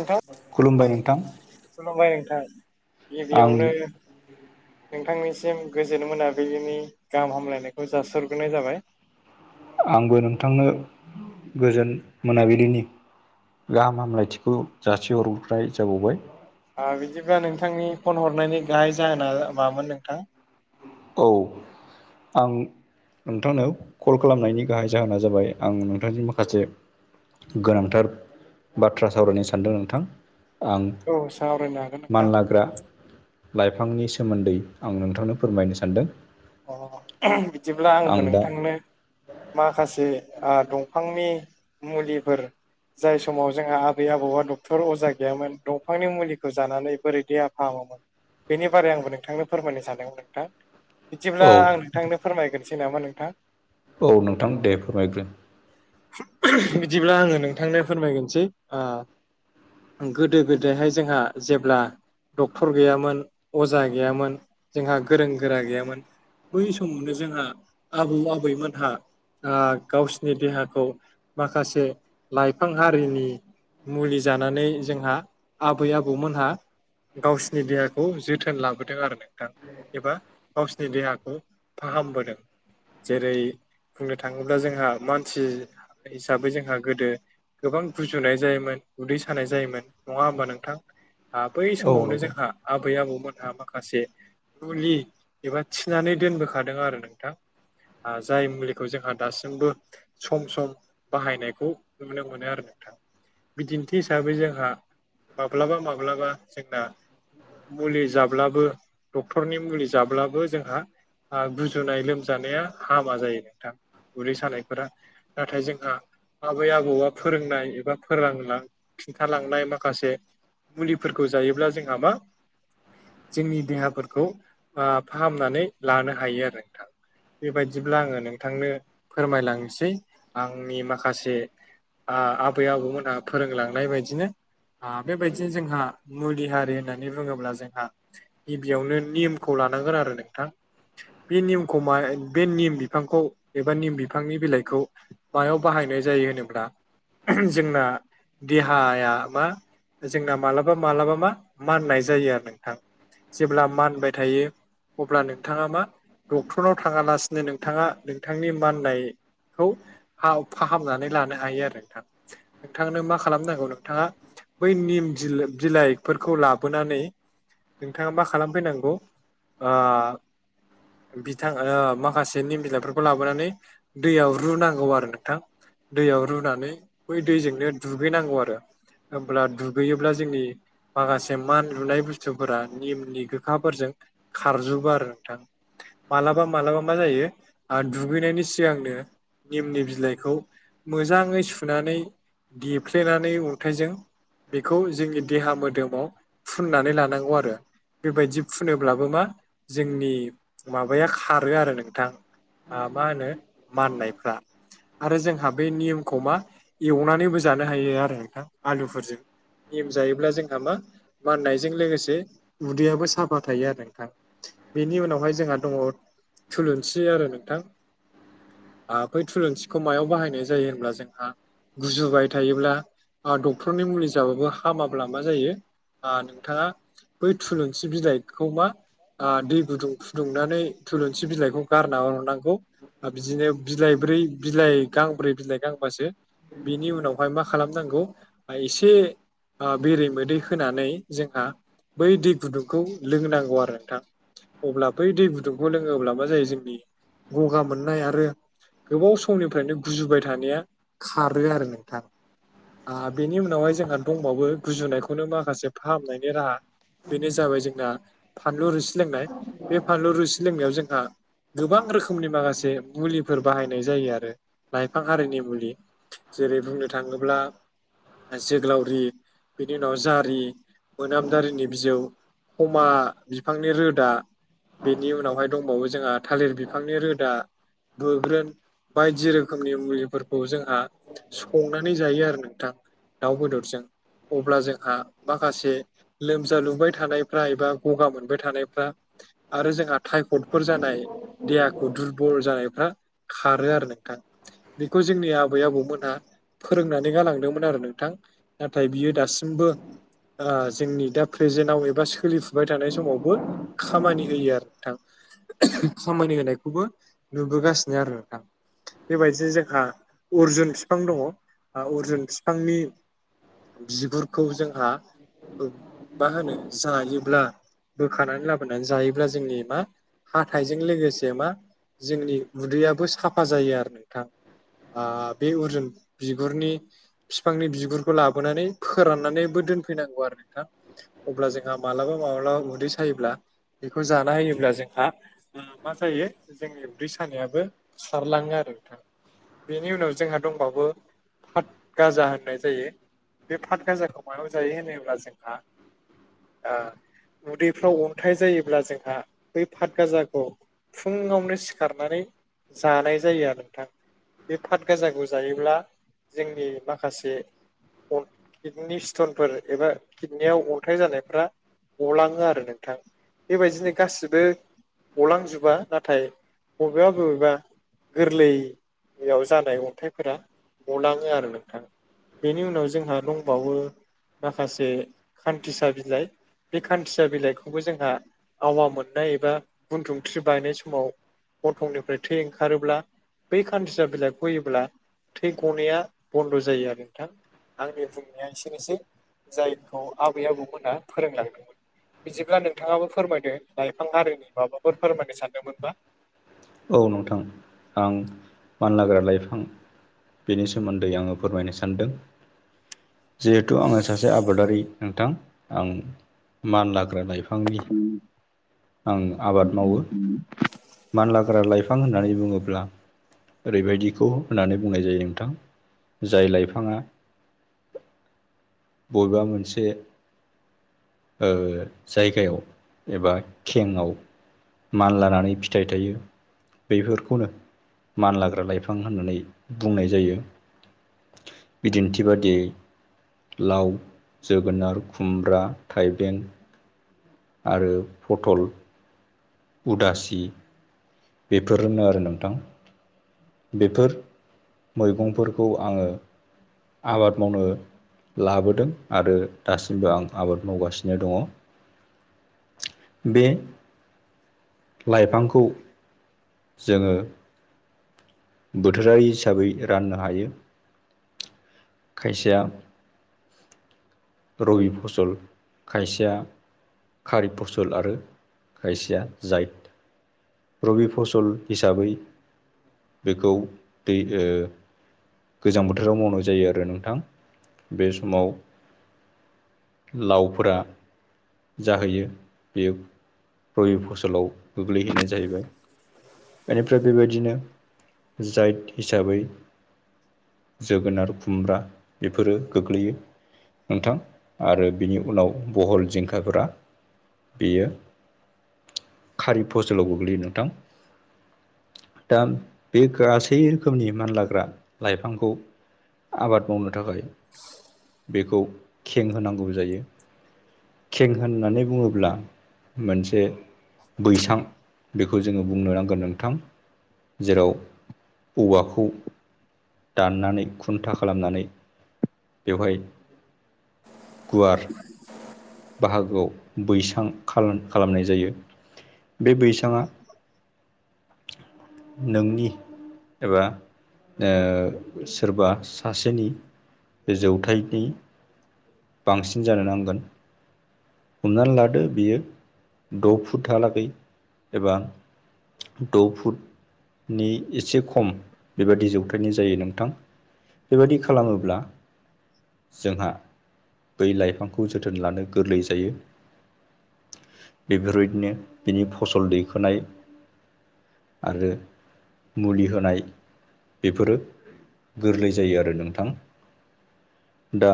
नोंथां खुलुमबाय नोंथां। खुलुमबाय नोंथां आं एबियावनो नोंथांनिसिम गोजोन मोनाबिलिनि गाहाम हामलायनायखौ जास'ग्रोनाय जाबाय। आंबो नोंथांनो गोजोन मोनाबिलिनि गाहाम हामलायथिखौ जासिहरथाय जाबावबाय। बिदिब्ला नोंथांनि फन हरनायनि गाहाय जाहोना माबामोन नोंथां? औ आं नोंथांनो कल खालामनायनि गाहाय जाहोना जाबाय आं नोंथांनि माखासे गोनांथार बाथ्रा सावरायनो सानदों नोंथां। आं औ सावरायनो हागोन नोंथां मान लाग्रा लाइफांनि सोमोन्दै आं नोंथांनो फोरमायनो सान्दों। अ बिदिब्ला आंबो नोंथांनो माखासे ओ दंफांनि मुलिफोर जाय समाव जोंहा आबै आबौआ डक्टर अजा गैयामोन दंफांनि मुलिखौ जानानै बोरै देहा फाहामोमोन? बेनि बारै आंबो नोंथांनो फोरमायनो सानदोंमोन नोंथां। बिदिब्ला औ आं नोंथांनो फोरमायग्रोसै नामा नोंथां? औ नोंथां दे फोरमायग्रो। बिदिब्ला आङो नोंथांनो फोरमायगोनसै ओ गोदो गोदायहाय जोंहा जेब्ला डक्टर गैयामोन अजा गैयामोन जोंहा गोरों गोरा गैयामोन। बै समावनो जोंहा आबौ आबैमोनहा ओ गावसिनि देहाखौ माखासे लाइफां हारिनि मुलि जानानै जोंहा आबै आबौमोनहा गावसिनि देहाखौ जोथोन लाबोदों आरो नों दा एबा गावसिनि देहाखौ फाहामबोदों। जेरै बुंनो थाङोब्ला जोंहा मानसि हिसाबै जोंहा गोदो गोबां गुजुनाय जायोमोन उदै सानाय जायोमोन नङा होमबा नोंथां? बै औ समावनो नंगौ जोंहा आबै आबौमोनहा माखासे मुलि एबा थिनानै दोनबोखादों आरो नोंथां जाय मुलिखौ जोंहा दासिमबो सम सम बाहायनायखौ नुनो मोनो आरो नोंथां। बिदिन्थि हिसाबै जोंहा माब्लाबा माब्लाबा जोंना मुलि जाब्लाबो डक्टरनि मुलि जाब्लाबो। बो जोंहा गुजुनाय लोमजानाया हामा जायो नोंथां उदै सानायफोरा। नाथाय जोंहा आबै आबौआ फोरोंनाय एबा फोरोंलां। खिन्थालांनाय माखासे मुलिफोरखौ जायोब्ला जोंहा मा‌ जोंनि देहाफोरखौ बा फाहामनानै लानो हायो आरो नोंथां। बेबायदिब्ला आङो नोंथांनो फोरमायलांनोसै आंनि माखासे आबै आबौमोनहा फोरोंलांनाय बायदिनो। बेबायदिनो जोंहा मुलि हारि होननानै बुङोब्ला जोंहा गिबियावनो निमखौ लानांगोन आरो नोंथां। बे निमखौ मा बे निम बिफांखौ एबा निम बिफांनि बिलाइखौ मायाव बाहायनाय जायो होनोब्ला जोंना। देहाया मा जोंना मालाबा मालाबा मा माननाय जायो आरो नोंथां। जेब्ला मानबाय थायो। अब्ला नोंथाङा मा डक्टरनाव थाङालासिनो नोंथाङा नोंथांनि माननाय खौ हाव फाहामनानै लानो हायो आरो नोंथां। नोंथांनो मा खालामनांगौ नोंथांङा। बै निम बिलाइफोरखौ लाबोनानै नोंथांङा मा खालामफैनांगौ। ओ बिथां माखासे निम बिलाइफोरखौ लाबोनानै। दैयाव रुनांगौ आरो नोंथां। दैयाव रुनानै बै दैजोंनो दुगैनांगौ आरो। होनब्ला दुगैयोब्ला जोंनि माखासे मान लुनाय बुस्थुफोरा निमनि गोखाफोरजों खारजोबो आरो नोंथां। मालाबा मालाबा मा जायो दुगैनायनि सिगांनो निमनि बिलाइखौ मोजाङै सुनानै देफ्लेनानै अन्थायजों बेखौ जोंनि देहा मोदोमाव फुननानै लानांगौ आरो। बेबायदि फुनोब्लाबो मा। जोंनि माबाया खारो आरो नोंथां। मा होनो माननायफ्रा। आरो जोंहा बे नियमखौ मा एवनानैबो जानो हायो आरो नोंथां आलुफोरजों। निम जायोब्ला जोंहा मा माननायजों लोगोसे उदैयाबो साफा थायो आरो नोंथां। बेनि उनावहाय जोंहा दंङो थुलुंसि आरो नोंथां। बै थुलुंसिखौ मायाव बाहायनाय जायो होनब्ला जोंहा गुजुबाय थायोब्ला डक्टरनि मुलि जाबाबो हामाब्ला मा जायो नोंथाङा बै थुलुंसि बिलाइखौ मा दै गुदुं फुदुंनानै थुलुंसि बिलाइखौ गारना हरनांगौ बिदिनो बिलाइ ब्रै बिलाइ गांब्रै बिलाइ गांबासो बिनि उनावहाय मा खालामनांगौ एसे बेरे मोदै होनानै जोंहा बै दै गुदुंखौ लोंनांगौ आरो। नोंथांअब्ला बै दै गुदुंखौ लोङोबा अब्ला मा जायो जोंनि गगा मोननाय आरो गोबाव समनिफ्रायनो गुजुबाय थानाया खारो आरो नोंथां। बेनि उनावहाय जोंहा दंबावो गुजुनायखौनो माखासे फाहामनायनि राहा। बेनो जाबाय जोंना फानलु रुसि लोंनाय बे फानलु रुसि लोंनायाव जोंहा। गोबां रोखोमनि माखासे मुलिफोर बाहायनाय जायो आरो लाइफां आरिनि मुलि। जेरै बुंनो थाङोब्ला जोगोलावरि बेनि उनाव जारि मोनामदारिनि बिजौ खमा बिफांनि रोदा बेनि उनावहाय दंबावो जोंहा थालिर बिफांनि रोदा बोग्रोन बायदि रोखोमनि मुलिफोरखौ जोंहा संनानै जायो आरो नोंथां। दाउ बेदरजों अब्ला जोंहा माखासे लोमजालुबाय थानायफ्रा एबा गगा मोनबाय थानायफ्रा आरो जोंहा थायफडफोर जानाय देहाखौ दुरबल जानायफ्रा खारो आरो नोंथां बेखौ जोंनि आबै आबौमोनहा फोरोंनानै गालांदोंमोन आरो नोंथां नाथाय बियो दासिमबो आ जोंनि दा प्रेजेन्टाव एबा सोलिफु बाय थानाय समावबो खामानि होयो आरो नोंथां खामानि होनायखौबो नुबोगासिनो आरो नोंथां बेबायदिनो जोंहा अर्जुन बिफां दङ अरजुन बिफांनि बिगुरखौ जोंहा मा होनो जायो ब्ला बोखानानै लाबोनानै जायोब्ला जोंनि मा हाथायजों लोगोसे मा जोंनि उदैयाबो साफा जायो आरो नोंथां आ बे अरजुन बिगुरनि बिफांनि बिगुरखौ लाबोनानै फोराननानैबो दोनफैनांगौ आरो नोंथा अब्ला जोंहा माब्लाबा माब्लाबा उदै सायोब्ला बेखौ जाना होयोब्ला जोंहा ओ मा जायो जोंनि उदै सानायाबो सारलाङो आरो नोंथां बेनि उनाव जोंहा दंबावो पाट गाजा होननाय जायो बे पाट गाजाखौ मायाव जायो होनोब्ला जोंहा आ उदैफ्राव अन्थाइ जायोब्ला जोंहा बै पाटगाजाखौ फुङावनो सिखारनानै जानाय जायो आरो नोंथां बे पाट गाजाखौ जायोब्ला जोंनि माखासे अन किडनि स्टनफोर एबा किडनियाव अन्थाइ जानायफ्रा गलाङो आरो नोंथां बेबायदिनो गासिबो गलांजोबा नाथाय बबेबा बबेबा गोरलैयाव जानाय अन्थाइफोरा गलाङो आरो नोंथां बेनि उनाव जोंहा दंबावो माखासे खान्थिसा बिलाइ बे खान्थिया बिलाइखौबो जोंहा आवा मोननाय एबा गुनथुथ्रि बायनाय समाव गथंनिफ्राय थै ओंखारोब्ला बै खानसिसा बिलाइखौयोब्ला थै गनाया बन्द' जायो आरो नोंथां आंनि बुंनाया एसेनोसै जायखौ आबै आबौमोना फोरोंलांदोंमोन बिदिब्ला नोंथाङाबो फोरमायदों लाइफां हारिनि माबाफोर फोरमायनो सानदोंमोनबा औ नोंथां आं मानलाग्रा लाइफां बेनि सोमोन्दै आङो फोरमायनो सानदों जिहेथु आङो सासे आबादारि नोंथां आं मान लाग्रा लाइ फांनि आं आबाद मावो मानलाग्रा लाइफां होननानै बुङोब्ला ओरैबायदिखौ होननानै बुंनाय जायो नोंथां जाय लाइफाङा बबेबा मोनसे ओ जायगायाव एबा खेंआव मान लानानै फिथाइ थायो बेफोरखौनो मानलाग्रा लाइफां होननानै बुंनाय जायो बिदिन्थि बादियै लाव जोगोनार खुमब्रा थाइबें आरो फटल उदासि बेफोरनो आरो नोंथां बेफोर मैगंफोरखौ आङो आबाद मावनो लाबोदों आरो दासिमबो आं आबाद मावगासिनो दङ बे लाइफांखौ जोङो बोथोरारि हिसाबै राननो हायो खायसेया रबि फसल खायसेया खारि फसल आरो खायसेया जाय रबि फसल हिसाबै बेखौ दै गोजां बोथोराव मावनाय जायो आरो नोंथां बे समाव लावफोरा जाहैयो बेयो रबि फसलाव गोग्लैहैनाय जाहैबाय बेनिफ्राय बेबायदिनो जायट हिसाबै जोगोनार खुमब्रा बेफोरो गोग्लैयो नोंथां आरो बिनि उनाव बहल जिंखाफोरा बेयो खारि फसलाव गोग्लैयो नोंथां दा बे गासै रोखोमनि मानलाग्रा लाइफांखौ आबाद मावनो थाखाय बेखौ खें होनांगौ जायो खें होननानै बुङोब्ला मोनसे बैसां बेखौ जोङो बुंनो नांगोन नोंथां जेराव औवाखौ दाननानै खुन्था खालामनानै बेवहाय गुवार बाहागोआव बैसां खालामनाय जायो बे बैसांआ नोंनि एबा ओ सोरबा सासेनि जौथायनि बांसिन जानो नांगोन हमनानै लादो बियो द' फुट हालागै एबा द' फुटनि एसे खम बेबादि जौथायनि जायो नोंथां बेबायदि खालामोब्ला जोंहा बै लाइफांखौ जोथोन लानो गोरलै जायो बेफोरबायदिनो बिनि फसल दैखोनाय आरो मुलि होनाय बेफोरो गोरलै जायो आरो नोंथां दा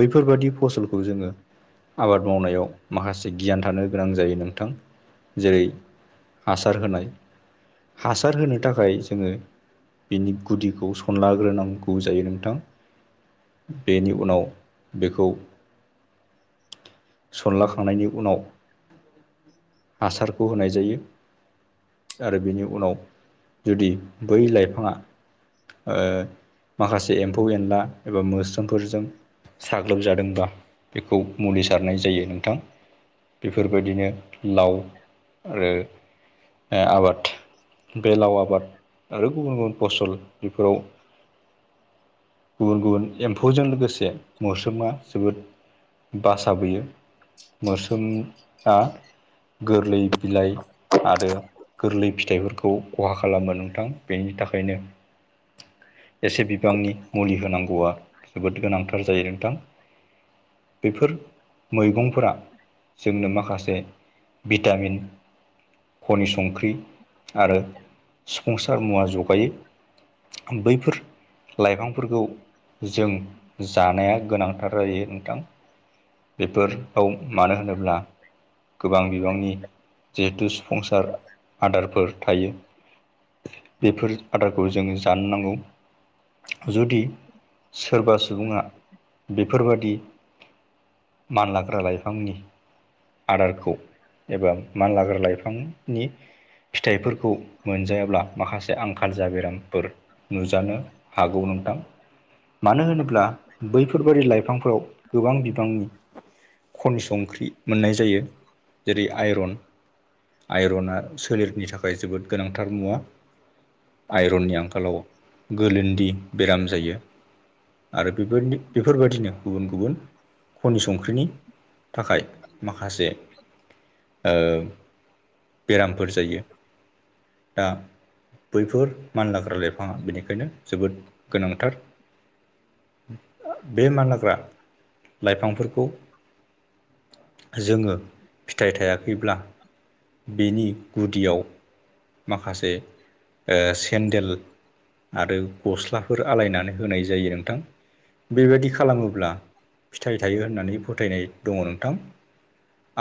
बैफोरबादि फसलखौ जोङो आबाद मावनायाव माखासे गियान थानो गोनां जायो नोंथां जेरै हासार होनाय हासार होनो थाखाय जोङो बिनि गुदिखौ सनलाग्रोनांगौ जायो नोंथां बेनि उनाव बेखौ सनलाखांनायनि उनाव हासारखौ होनाय जायो आरो बिनि उनाव जुदि बै लाइफाङा ओ माखासे एम्फौ एनला एबा मोस्रोमफोरजों साग्लोबजादोंबा बेखौ मुलि सारनाय जायो नोंथां बेफोरबायदिनो लाव आरो आबाद बे लाव आबाद आरो गुबुन गुबुन फसल बेफोराव गुबुन गुबुन एम्फौजों लोगोसे मोस्रोमा जोबोद बासा बोयो मोस्रोमा गोरलै बिलाइ आरो गोरलै फिथाइफोरखौ खहा खालामो नोंथां बेनि थाखायनो एसे बिबांनि मुलि होनांगौआ जोबोद गोनांथार जायो नोंथां बेफोर मैगंफोरा जोंनो माखासे भिटामिन खनि संख्रि आरो सुफुंसार मुवा जगायो बैफोर लाइफांफोरखौ जों जानाया गोनांथार जायो नोंथां बेफोराव मानो होनोब्ला गोबां बिबांनि जिहेथु सुफुंसार आदारफोर थायो बेफोर आदारखौ जों जानो नांगौ जुदि सोरबा सुबुङा बेफोरबादि मानलाग्रा लाइफांनि आदारखौ एबा मानलाग्रा लाइफांनि फिथाइफोरखौ मोनजायाब्ला माखासे आंखाल जा बेरामफोर नुजानो हागौ नोंथां मानो होनोब्ला बैफोरबादि लाइफांफोराव गोबां बिबांनि खनि ओंख्रि मोननाय जायो जेरै आइरन आइरना सोलेरनि थाखाय जोबोद गोनांथार मुवा आइरननि आंखालाव गोलोनदि बेराम जायो आरो बेफोरनि बेफोरबायदिनो गुबुन गुबुन खनि संख्रिनि थाखाय माखासे ओ बेरामफोर जायो दा बैफोर मानलाग्रा लाइफाङा बेनिखायनो जोबोद गोनांथार बे मानलाग्रा लाइफांफोरखौ जोङो फिथाइ थायाखैब्ला बेनि गुदियाव माखासे ओ सेन्देल आरो गस्लाफोर आलायनानै होनाय जायो नोंथां बेबायदि खालामोब्ला फिथाइ थायो होननानै फोथायनाय दङ नोंथां